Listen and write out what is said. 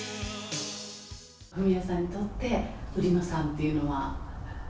フミヤさんにとって、売野さんというのは。